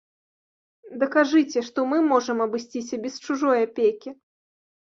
Дакажыце, што мы можам абысціся без чужой апекі.